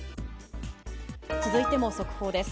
続いても速報です。